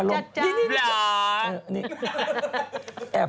แอบไบโปรล่าเหมือนกันนะครับ